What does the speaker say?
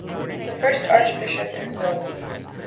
The First Archbishop in the Philippines.